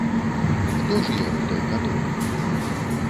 Хто ж ён, той каток?